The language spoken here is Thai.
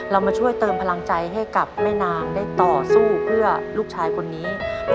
มาช่วยเติมพลังใจให้กับแม่นางได้ต่อสู้เพื่อลูกชายคนนี้